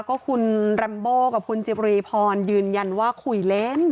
ก็คุณแรมโบกับคุณจิบรีพรยืนยันว่าคุยเล่น